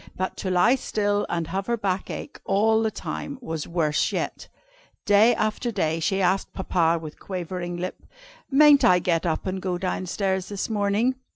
But to lie still and have her back ache all the time, was worse yet. Day after day she asked Papa with quivering lip: "Mayn't I get up and go down stairs this morning?"